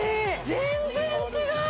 全然違う！